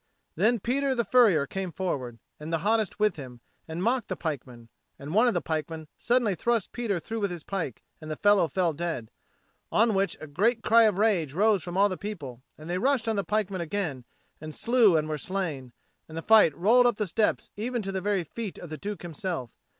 Then Peter the furrier came forward, and the hottest with him, and mocked the pikemen; and one of the pikemen suddenly thrust Peter through with his pike, and the fellow fell dead; on which a great cry of rage rose from all the people, and they rushed on the pikemen again and slew and were slain; and the fight rolled up the steps even to the very feet of the Duke himself.